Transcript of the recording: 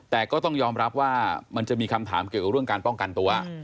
แต่ก็ต้องยอมรับว่ามันจะมีคำถามเกี่ยวกับเรื่องการป้องกันตัว